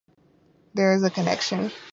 There is a connection.